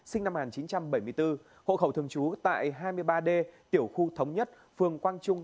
sinh năm một nghìn chín trăm bảy mươi bốn hộ khẩu thường trú tại hai mươi ba d tiểu khu thống nhất phường quang trung